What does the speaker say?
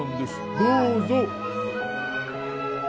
どうぞ！